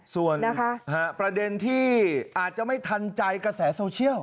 ส่วนประเด็นที่อาจจะไม่ทันใจกระแสโซเชียล